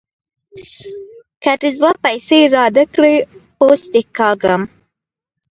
که دې زما پيسې را نه کړې؛ پوست دې کاږم.